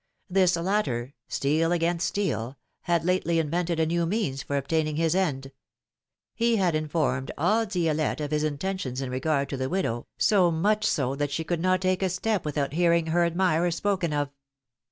This latter — steel against steel — had lately invented a new means for obtaining his end : he had informed all Di^lette of his intentions in regard to the widow, so much so that she could not take a step without hearing her admirer spoken of.